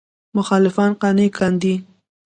مخالفان قانع کاندي.